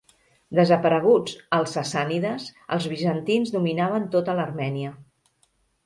Desapareguts els sassànides, els bizantins dominaven tota l'Armènia.